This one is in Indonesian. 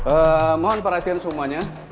eee mohon perhatian semuanya